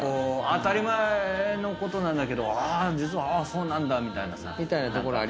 当たり前のことなんだけど実はあそうなんだ！みたいなさ。